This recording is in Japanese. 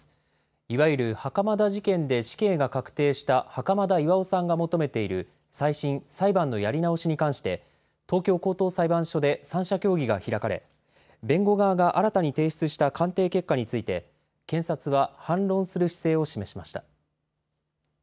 いわゆる袴田事件で死刑が確定した袴田巌さんが求めている再審・裁判のやり直しに関して、東京高等裁判所で３者協議が開かれ、弁護側が新たに提出した鑑定結果について、検察は反論する姿勢を示しました。